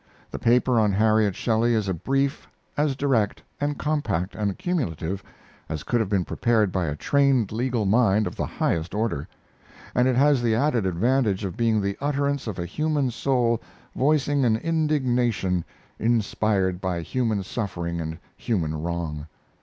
The paper on Harriet Shelley is a brief as direct and compact and cumulative as could have been prepared by a trained legal mind of the highest order, and it has the added advantage of being the utterance of a human soul voicing an indignation inspired by human suffering and human wrong.